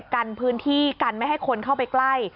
กันพื้นที่กันไม่ให้คนเข้าไปใกล้